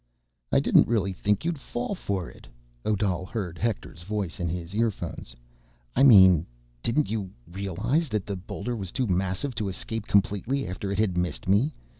"I didn't really think you'd fall for it," Odal heard Hector's voice in his earphones. "I mean ... didn't you realize that the boulder was too massive to escape completely after it had missed me?